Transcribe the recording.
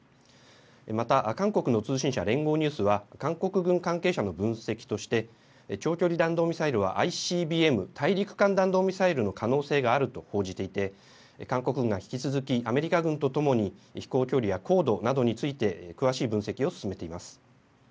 また韓国の通信社、連合ニュースは、韓国軍関係者の分析として、長距離弾道ミサイルはＩＣＢＭ・大陸間弾道ミサイルの可能性があると報じていて、韓国軍が引き続きアメリカ軍とともに飛行距離や高度などについて詳しい分析を進めています。